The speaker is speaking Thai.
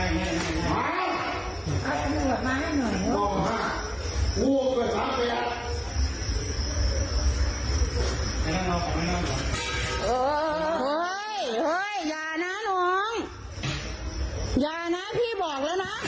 เอ้ยเอ้ยเอ้ยอย่านะหลวงอย่าน่าพี่บอกแล้วนะ